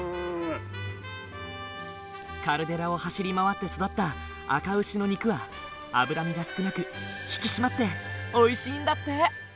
カルデラを走り回って育ったあか牛の肉は脂身が少なく引き締まっておいしいんだって。